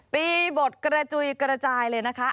ปีบทกระจุยกระจายเลยนะคะ